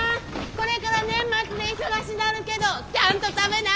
これから年末で忙しなるけどちゃんと食べなあかんよ。